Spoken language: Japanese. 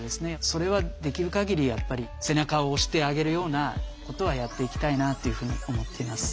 それはできる限りやっぱり背中を押してあげるようなことはやっていきたいなというふうに思っています。